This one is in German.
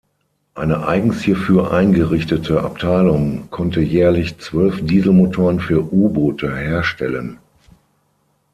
Eine eigens hierfür eingerichtete Abteilung konnte jährlich zwölf Dieselmotoren für U-Boote herstellen.